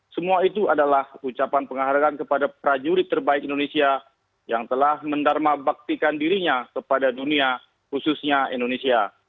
semua itu adalah ucapan penghargaan kepada prajurit terbaik indonesia yang telah mendarmabaktikan dirinya kepada dunia khususnya indonesia